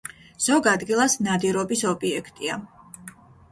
ზოგ ადგილას ნადირობის ობიექტია.